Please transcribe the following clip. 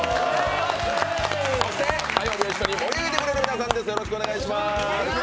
そして、火曜日を一緒に盛り上げてくれる皆さんです。